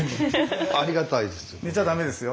ありがたいですよ。